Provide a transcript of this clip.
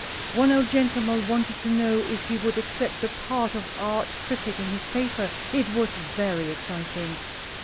One old gentleman wanted to know if he would accept the part of art critic on his paper. It was very exciting."